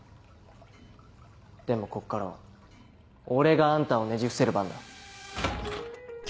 でもこっからは俺があんたをねじ伏せる番だ。